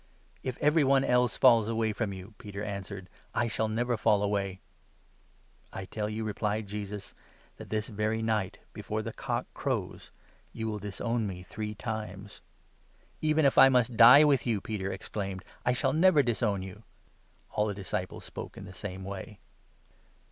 32 " If everyone else falls away from you," Peter answered, " I 33 shall never fall away !"" I tell you," replied Jesus, " that this very night, before the 34 cock crows, you will disown me three times !"" Even if I must die with you," Peter exclaimed, " I shall 35 never disown you !" All the disciples spoke in the same way.